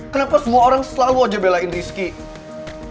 kenapa semua orang selalu aja belain rizky